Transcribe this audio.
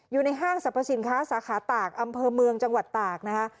ห้างสรรพสินค้าสาขาตากอำเภอเมืองจังหวัดตากนะคะ